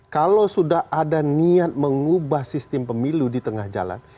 kalau sudah ada niat mengubah sistem pemilu di tengah jalan